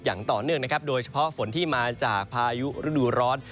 อย่างต่อเนื่องนะครับโดยเฉพาะฝนที่มาจากพายุฤดูร้อน